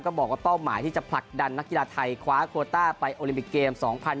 บอกว่าเป้าหมายที่จะผลักดันนักกีฬาไทยคว้าโคต้าไปโอลิมปิกเกม๒๐๑๖